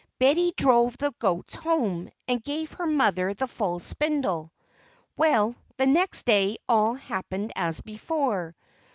Betty drove the goats home, and gave her mother the full spindle. Well, the next day all happened as before.